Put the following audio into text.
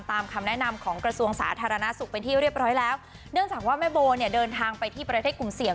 คำแนะนำของกระทรวงสาธารณสุขเป็นที่เรียบร้อยแล้วเนื่องจากว่าแม่โบเนี่ยเดินทางไปที่ประเทศกลุ่มเสี่ยง